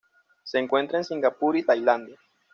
Se encuentra en Singapur y Tailandia.